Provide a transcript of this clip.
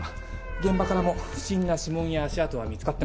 現場からも不審な指紋や足跡は見つかってません。